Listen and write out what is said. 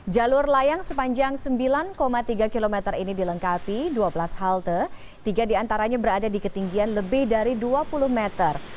jalur layang sepanjang sembilan tiga km ini dilengkapi dua belas halte tiga diantaranya berada di ketinggian lebih dari dua puluh meter